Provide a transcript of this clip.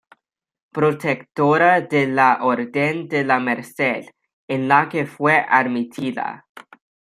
Protectora de la Orden de la Merced, en la que fue admitida.